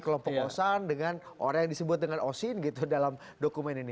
kelompok osan dengan orang yang disebut dengan osin gitu dalam dokumen ini